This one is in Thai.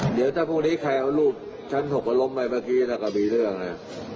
เดี๋ยวถ้าพวกนี้ใครเอารูปชั้น๖มาล้มไปเมื่อกี้แล้วก็มีเรื่องนะ